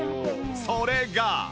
それが